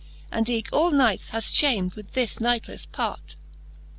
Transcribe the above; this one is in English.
And eke all Knights haft ihamed with this knightlefTe part.